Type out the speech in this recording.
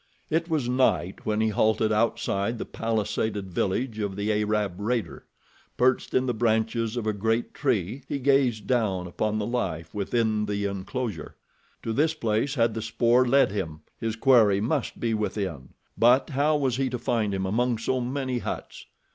It was night when he halted outside the palisaded village of the Arab raider. Perched in the branches of a great tree he gazed down upon the life within the enclosure. To this place had the spoor led him. His quarry must be within; but how was he to find him among so many huts?